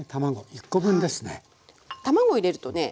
卵入れるとね